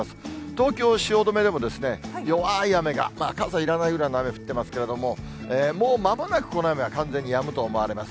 東京・汐留でも弱い雨が、傘いらないぐらいの雨降っていますけれども、もうまもなく、この雨は完全にやむと思われます。